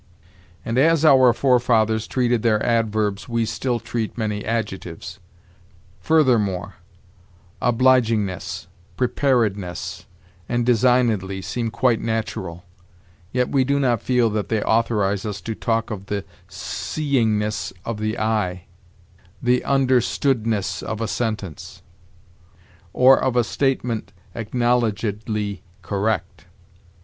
And as our forefathers treated their adverbs we still treat many adjectives. Furthermore, obligingness, preparedness, and designedly seem quite natural; yet we do not feel that they authorize us to talk of 'the seeingness of the eye,' 'the understoodness of a sentence,' or of 'a statement acknowledgedly correct.'